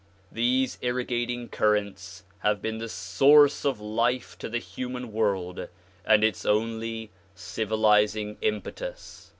These irrigating currents have been the source of life to the human world and its only civilizing impetus.